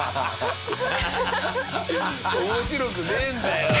面白くねえんだよ。